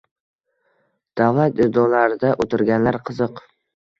Davlat idoralarida o‘tirganlar qiziq.